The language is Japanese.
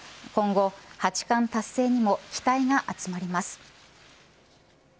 今後、八冠達成にも期待が集まります。